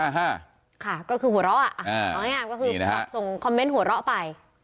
ค่ะก็คือหัวเราะอ่าเอาอย่างงี้ครับก็คือส่งคอมเมนต์หัวเราะไป